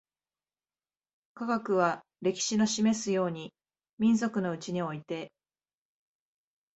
科学は、歴史の示すように、民族のうちにおいて